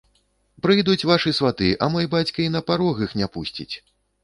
Прыйдуць вашы сваты, а мой бацька і на парог іх не пусціць.